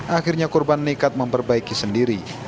akhirnya korban nekat memperbaiki sendiri